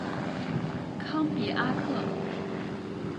康比阿克。